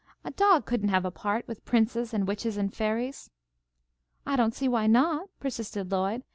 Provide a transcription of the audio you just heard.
"A dog couldn't have a part with princes and witches and fairies." "I don't see why not," persisted Lloyd.